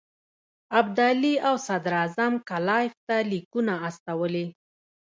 ابدالي او صدراعظم کلایف ته لیکونه استولي.